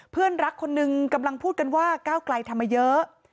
เพื่อนรักคนนึงกำลังพูดกันว่าก้าวไกลทำมาเยอะ